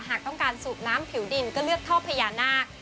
หากต้องการสูบน้ำผิวดินก็เลือกท่อพญานาค